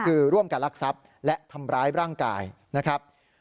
คือร่วมกันลักทรัพย์และทำร้ายร่างกายนะครับ